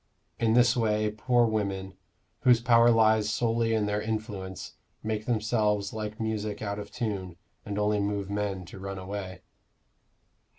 In this way poor women, whose power lies solely in their influence, make themselves like music out of tune, and only move men to run away.